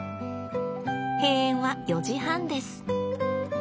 閉園は４時半です。